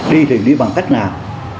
đi thì đi bằng cách nào